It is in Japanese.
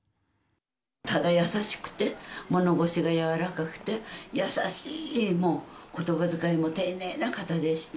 ただ優しくて、物腰が柔らかくて、優しい、もうことばづかいも丁寧な方でした。